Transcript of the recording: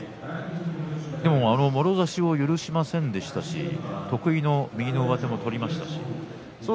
もろ差しを許しませんでしたし得意の右の上手も取りましたし。